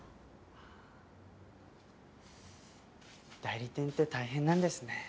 代理店って大変なんですね。